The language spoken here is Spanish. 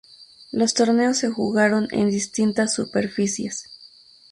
Los torneos se jugaron en distintas superficies.